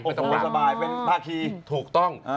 โอ้โหสบายเป็นภาคีถูกต้อง